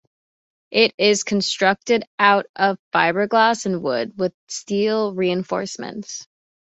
It is constructed out of fibreglass and wood, with steel reinforcements.